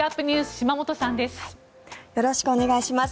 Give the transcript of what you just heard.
島本さんです。